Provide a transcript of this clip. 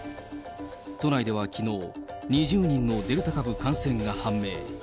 都内ではきのう、２０人のデルタ株感染が判明。